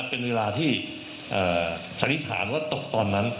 เป็นเวลาที่สันนิษฐานว่าตกตอนนั้น